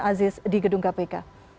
aziz di gedung kpk